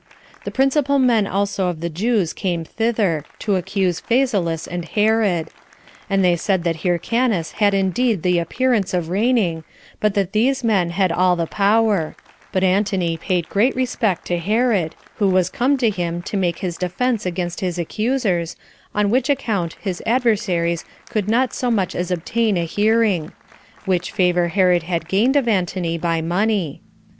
The principal men also of the Jews came thither, to accuse Phasaelus and Herod; and they said that Hyrcanus had indeed the appearance of reigning, but that these men had all the power: but Antony paid great respect to Herod, who was come to him to make his defense against his accusers, on which account his adversaries could not so much as obtain a hearing; which favor Herod had gained of Antony by money.